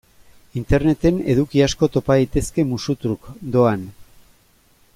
Interneten eduki asko topa daitezke musu-truk, doan.